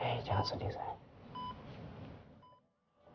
hei jangan sedih sayang